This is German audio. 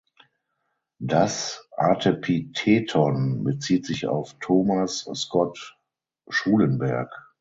Das Artepitheton bezieht sich auf Thomas Scott Schulenberg.